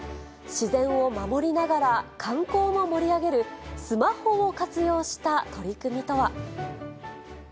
自然を守りながら、観光を盛り上げる、スマホを活用した取り組みとは。